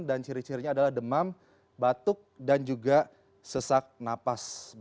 dan ciri cirinya adalah demam batuk dan juga sesak napas